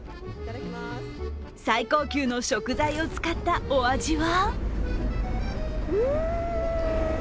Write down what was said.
最高級の食材を使ったお味は？